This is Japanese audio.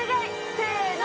せの！